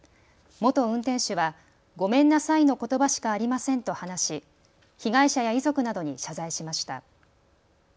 元運転手はごめんなさいのことばしかありませんと話し被害者や遺族などに謝罪しました。